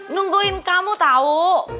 nungguin kamu tau